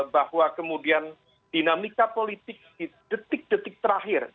bahwa kemudian dinamika politik di detik detik terakhir